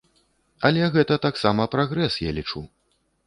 Але гэта таксама прагрэс, я лічу.